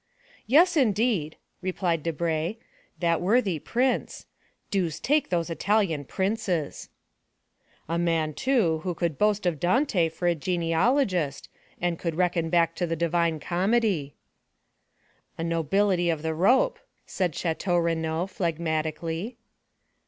"Yes, indeed!" replied Debray. "That worthy prince. Deuce take those Italian princes!" "A man, too, who could boast of Dante for a genealogist, and could reckon back to the Divina Comedia." "A nobility of the rope!" said Château Renaud phlegmatically.